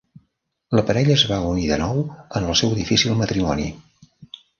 La parella es va unir de nou en el seu difícil matrimoni.